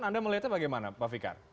anda melihatnya bagaimana pak fikar